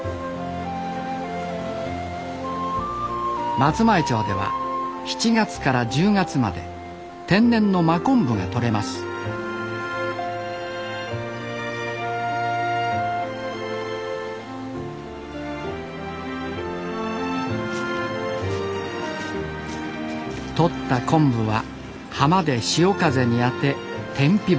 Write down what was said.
松前町では７月から１０月まで天然の真昆布がとれますとった昆布は浜で潮風に当て天日干し。